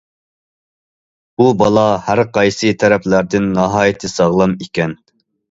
بۇ بالا ھەر قايسى تەرەپلەردىن ناھايىتى ساغلام ئىكەن.